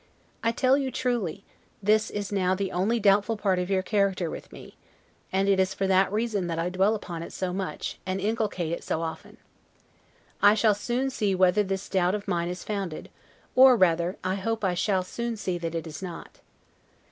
I tell you truly, this is now the only doubtful part of your character with me; and it is for that reason that I dwell upon it so much, and inculcate it so often. I shall soon see whether this doubt of mine is founded; or rather I hope I shall soon see that it is not.